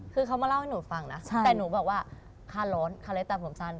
คือเขามาเล่าให้หนูฟังนะแต่หนูบอกว่าค่าร้อนคาเลสตาผมสั้น